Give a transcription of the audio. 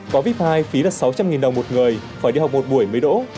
có vip hai phí là sáu trăm linh đồng một người phải đi học một buổi mới đỗ